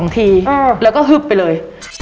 ทีแล้วก็ฮึบไปเลย